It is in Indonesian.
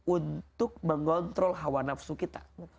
untuk mengontrol hawa nafsu kita